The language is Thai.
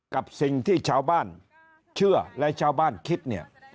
กับสิ่งที่ชาวบ้านเชื่อและชาวบ้านคิดเนี่ย